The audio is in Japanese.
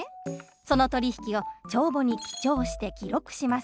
その取り引きを帳簿に記帳して記録します。